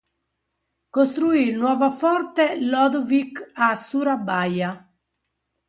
Costruì il nuovo "forte Lodewijk" a Surabaya.